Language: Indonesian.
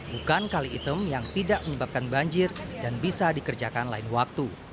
bukan kali item yang tidak menyebabkan banjir dan bisa dikerjakan lain waktu